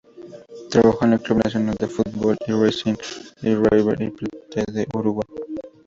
Trabajó en el Club Nacional de Football, Racing, y River Plate de Uruguay.